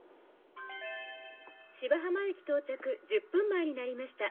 芝浜駅到着１０分前になりました。